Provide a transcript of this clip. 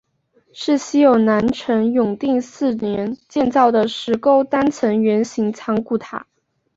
寺西有南陈永定四年建造的石构单层圆形藏骨塔。